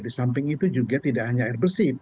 di samping itu juga tidak hanya air bersih